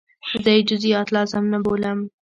زه یې جزئیات لازم نه بولم.